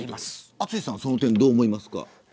淳さんはその点をどう思いますか。